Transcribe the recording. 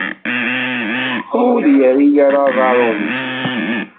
Ma ur yerri ara aḍar umcum.